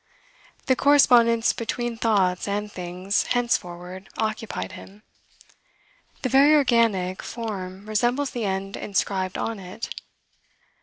The correspondence between thoughts and things henceforward occupied him. "The very organic form resembles the end inscribed on it."